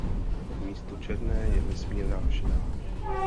Místo černé je vesmírná šedá.